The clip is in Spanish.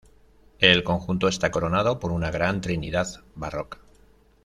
El conjunto está coronado por un gran Trinidad barroca.